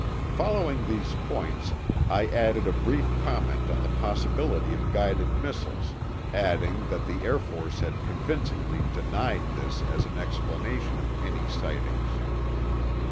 Following these points, I added a brief comment on the possibility of guided missiles, adding that the Air Force had convincingly denied this as an explanation of any sightings.